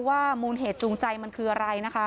โชว์บ้านในพื้นที่เขารู้สึกยังไงกับเรื่องที่เกิดขึ้น